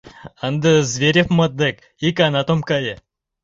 — Ынде Зверевмыт дек иканат ом кае.